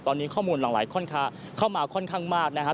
ตอนนี้ข้อมูลหลังไหลเข้ามาค่อนข้างมากนะครับ